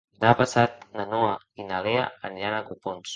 Demà passat na Noa i na Lea aniran a Copons.